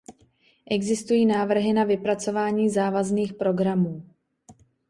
Existují návrhy na vypracování závazných programů.